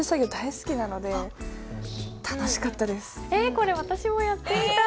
これ私もやってみたい。